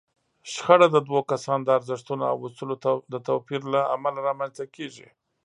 شخړه د دوو کسانو د ارزښتونو او اصولو د توپير له امله رامنځته کېږي.